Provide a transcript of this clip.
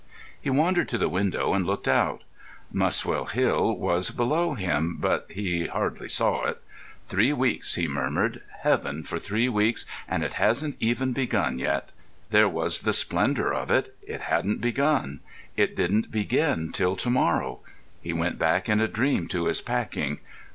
He wandered to the window and looked out. Muswell Hill was below him, but he hardly saw it. "Three weeks," he murmured. "Heaven for three weeks, and it hasn't even begun yet." There was the splendour of it. It hadn't begun; it didn't begin till to morrow. He went back in a dream to his packing.